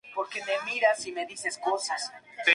El vídeo musical está ambientado en la era medieval.